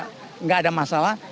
tidak ada masalah